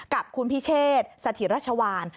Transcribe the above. กับคุณพิเชษสถิรัชวาน